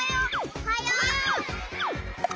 ・おはよう！